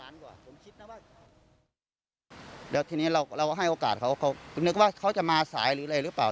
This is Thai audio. แล้วทีนี้เราก็ให้โอกาสเขาเขานึกว่าเขาจะมาสายหรืออะไรหรือเปล่า